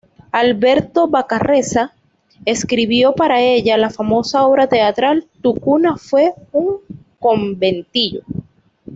Alberto Vacarezza escribió para ella la famosa obra teatral "Tu cuna fue un conventillo".